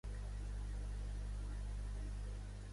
Diverses espècies són plagues humanes i algunes espècies invasores.